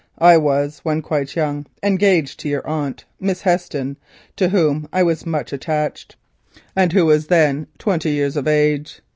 I was, when quite young, engaged to your aunt, Miss Heston, to whom I was much attached, and who was then twenty years of age.